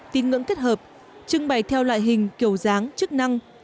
tin ngưỡng kết hợp trưng bày theo loại hình kiểu dáng chức năng